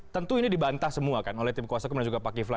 tentu ini dibantah semua kan oleh tim kuasa kemudian juga pak yuntri